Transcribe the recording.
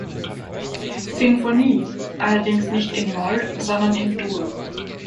Sinfonie, allerdings nicht in Moll, sondern in Dur.